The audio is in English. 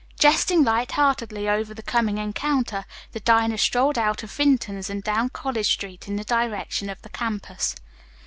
Jesting light heartedly over the coming encounter, the diners strolled out of Vinton's and down College Street in the direction of the campus.